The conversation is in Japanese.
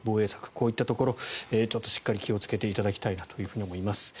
こういったところ気をつけていただきたいなと思います。